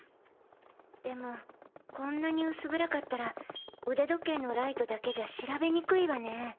でもこんなに薄暗かったら腕時計のライトだけじゃ調べにくいわね。